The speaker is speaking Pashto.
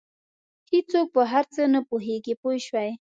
هېڅوک په هر څه نه پوهېږي پوه شوې!.